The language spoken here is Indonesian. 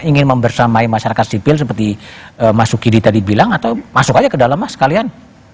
ingin membersamai masyarakat sipil seperti mas suki di tadi bilang atau masuk aja ke dalam mas sekalian